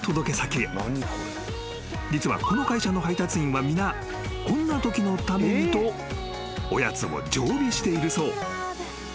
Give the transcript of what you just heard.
［実はこの会社の配達員は皆こんなときのためにとおやつを常備しているそう］